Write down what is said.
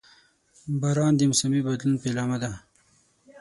• باران د موسمي بدلون پیلامه ده.